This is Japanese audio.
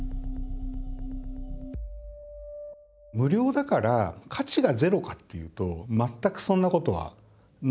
無料だから価値がゼロかっていうと全くそんなことはないはずなんですよ。